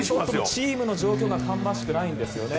チームの状況が芳しくないんですね。